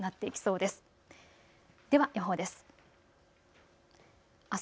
では予報です。